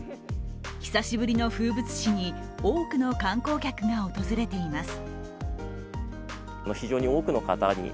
久しぶりの風物詩に、多くの観光客が訪れています。